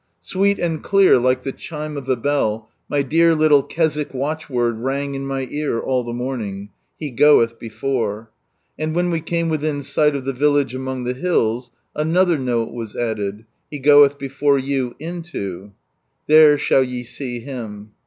Sweet and clear Uke the chime of a bell, my dear little Keswick watchword rang in my ear all the morning— "/fe geelh dn/ore "—and when we came within sight of the village among the hiils, another note was added^" He goeth before you into— "; "tkere sJiall ye see Him."